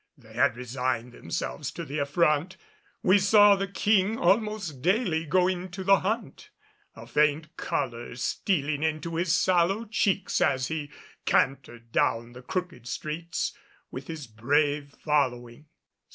They had resigned themselves to the affront. We saw the King almost daily going to the hunt, a faint color stealing into his sallow cheeks as he cantered down the crooked streets with his brave following.